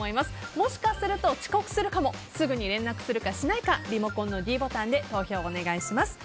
もしかすると遅刻するかもすぐに連絡するかしないかリモコンのｄボタンで投票をお願いします。